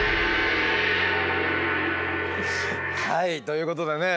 はいということでね